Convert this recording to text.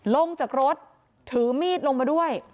ลงจากรถถือมีดลงมาด้วย